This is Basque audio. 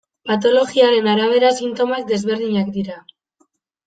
Patologiaren arabera sintomak desberdinak dira.